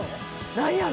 何やろ？